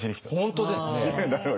本当ですね。